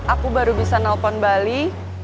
aku baru bisa nelpon bali